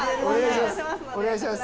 お願いします